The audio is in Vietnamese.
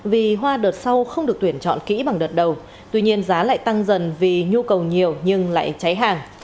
vì hoa đợt sau không được tuyển chọn kỹ bằng đợt đầu tuy nhiên giá lại tăng dần vì nhu cầu nhiều nhưng lại cháy hàng